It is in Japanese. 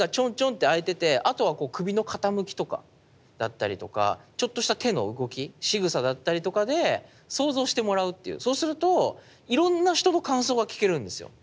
ッて開いててあとは首の傾きとかだったりとかちょっとした手の動きしぐさだったりとかで想像してもらうっていうそうするといろんな人の感想が聞けるんですよ。